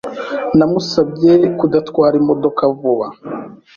Namusabye kudatwara imodoka vuba.